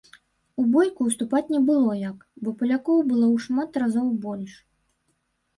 У бойку ўступаць не было як, бо палякаў было ў шмат разоў больш.